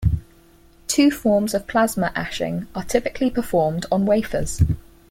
Two forms of plasma ashing are typically performed on wafers.